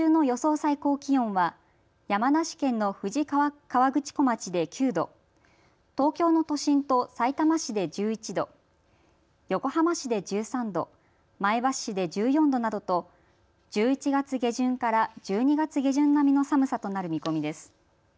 最高気温は山梨県の富士河口湖町で９度、東京の都心とさいたま市で１１度、横浜市で１３度、前橋市で１４度などと１１月下旬から１２月下旬並みの寒さとなる見込みです。